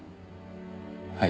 はい。